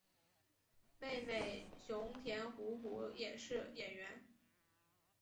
妹妹熊田胡胡也是演员。